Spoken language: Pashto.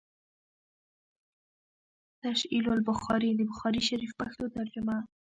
“ تشعيل البخاري” َد بخاري شريف پښتو ترجمه